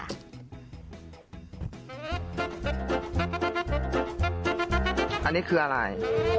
อันนี้คืออะไร